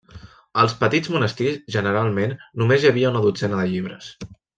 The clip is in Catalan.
Als petits monestirs, generalment, només hi havia una dotzena de llibres.